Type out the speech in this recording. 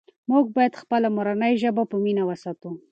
موږ باید خپله مورنۍ ژبه په مینه وساتو.